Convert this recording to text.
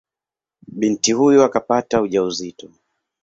Binti huyo akapata ujauzito.